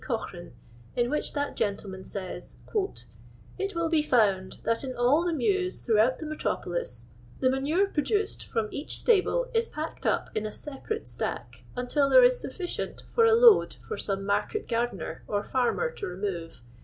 Cochrane, in which that gentleman says :—'' It will be found, that in all the mews through out the metropolis, the manure produced from each stable is packed up in a separate stack, until there is sufficient for a load for some market gardener or farmer to remove.